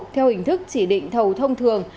theo hình thức chỉ định thầu thông thường